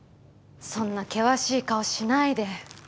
そんな険しい顔しないで。